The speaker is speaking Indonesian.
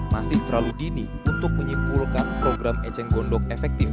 masih terlalu dini untuk menyimpulkan program eceng gondok efektif